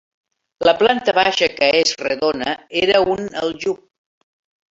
La planta baixa, que és redona, era un aljub.